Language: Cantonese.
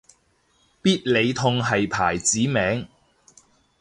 必理痛係牌子名